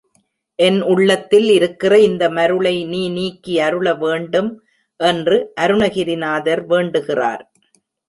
என் உள்ளத்தில் இருக்கிற இந்த மருளை நீ நீக்கியருள வேண்டும் என்று அருணகிரிநாதர் வேண்டுகிறார்.